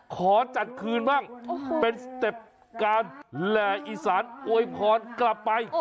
ขอจัดคืนบ้างเป็นสเต็ปการแหล่อีสานอวยพรกลับไป